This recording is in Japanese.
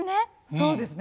そうですね。